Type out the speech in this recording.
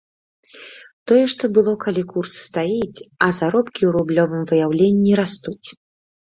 Тое, што было, калі курс стаіць, а заробкі ў рублёвым выяўленні растуць.